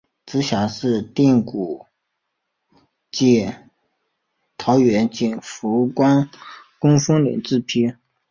直辖市定古迹桃园景福宫分灵自此。